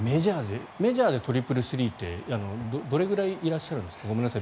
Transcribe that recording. メジャーでトリプルスリーってどれくらいいらっしゃるんですか？